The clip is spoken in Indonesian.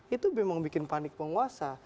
itu memang bikin panik penguasa